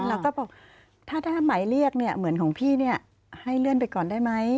แล้วก็บอกถ้าหมายเรียกเหมือนของพี่ให้เลื่อนไปก่อนได้ไหม